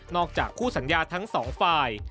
จากคู่สัญญาทั้งสองฝ่าย